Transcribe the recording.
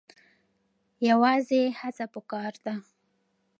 یوازې هڅه پکار ده.